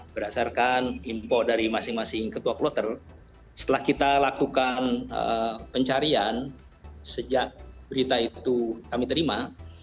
berdasarkan info dari masing masing ketua kloter setelah kita lakukan pencarian sejak berita itu kami terima